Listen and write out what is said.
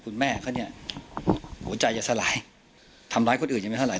คุณแม่เขาเนี่ยหัวใจจะสลายทำร้ายคนอื่นยังไม่เท่าไ